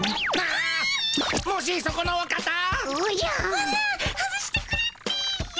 ワナ外してくれっピよ。